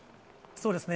そうですね。